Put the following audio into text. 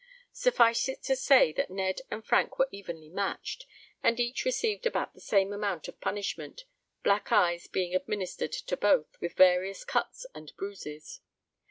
Suffice it to say that Ned and Frank were evenly matched, and each received about the same amount of punishment black eyes being administered to both, with various cuts and bruises.